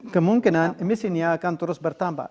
kemungkinan emisinya akan terus bertambah